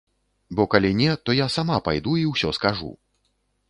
Бо калі не, то я сама пайду і ўсё скажу.